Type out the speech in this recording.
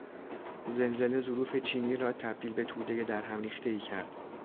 زلزله ظروف چینی را تبدیل به تودهی در هم ریختهای کرد.